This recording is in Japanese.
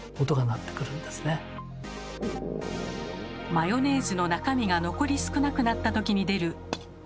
マヨネーズの中身が残り少なくなったときに出る。